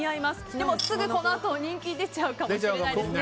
でも、すぐ、このあと人気が出ちゃうかもしれないですね。